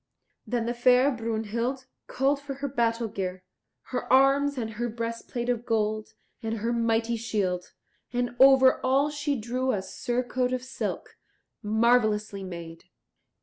Then the fair Brunhild called for her battle gear, her arms, and her breastplate of gold and her mighty shield; and over all she drew a surcoat of silk, marvellously made.